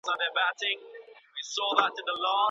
د مصارفو ساحه د ازادولو لپاره ځانګړې سوې ده.